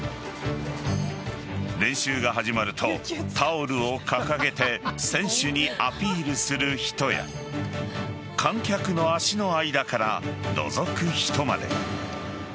練習が始まるとタオルを掲げて選手にアピールする人や観客の足の間からのぞく人まで。